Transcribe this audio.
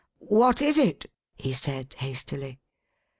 "What is it?" he said, hastily.